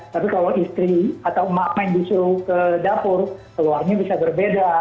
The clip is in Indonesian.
tapi kalau istri atau emak main disuruh ke dapur keluarnya bisa berbeda